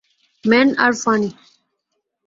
Main are funny.